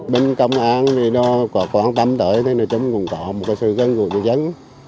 bên công an thì nó có quan tâm tới thế nên chúng còn có một sự gân gùi cho dân